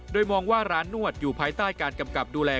โดยมองว่าร้านนวดอยู่ภายใต้การกำกับดูแล